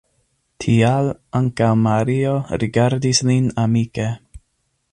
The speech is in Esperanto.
Tial ankaŭ Mario rigardis lin amike.